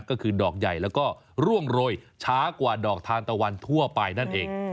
ก็คือดอกใหญ่แล้วก็ร่วงโรยช้ากว่าดอกทานตะวันทั่วไปนั่นเอง